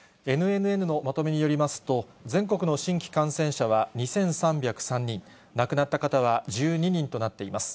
ＮＮＮのまとめによりますと、全国の新規感染者は２３０３人、亡くなった方は１２人となっています。